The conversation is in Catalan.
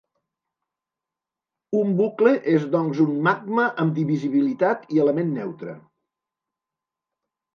Un bucle és doncs, un magma amb divisibilitat i element neutre.